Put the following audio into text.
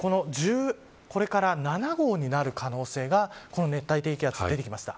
これから１７号になる可能性がこの熱帯低気圧、出てきました。